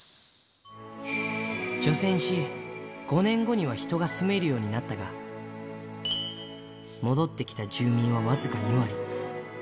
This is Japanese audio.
除染し、５年後には人が住めるようになったが、戻ってきた住民は僅か２割。